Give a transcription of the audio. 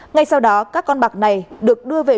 ngay sau đó các con bạc này được đưa về